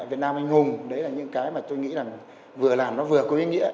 việt nam anh hùng đấy là những cái mà tôi nghĩ là vừa làm nó vừa có ý nghĩa